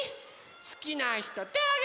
すきなひとてあげて！